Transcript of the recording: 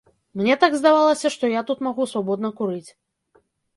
Мне так здавалася, што я тут магу свабодна курыць.